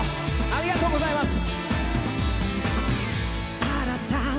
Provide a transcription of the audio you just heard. ありがとうございます。